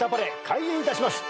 開演いたします。